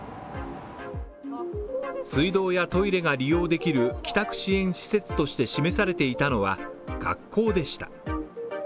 水道やトイレが利用できる帰宅支援施設として示されていたのは学校でした。